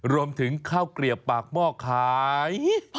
รวมถึงข้าวเกลียบปากหม้อขาย